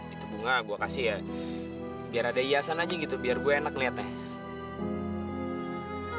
itu bunga gue kasih ya biar ada hiasan aja gitu biar gue enak lihatnya